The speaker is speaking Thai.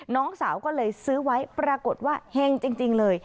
น้องสาวก็เลยซื้อไว้ปรากฏว่าเห็งจริงเลย